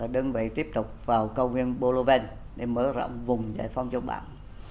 đơn vị tiếp tục vào cầu nguyên bô lô vên để mở rộng vùng giải phóng châu bản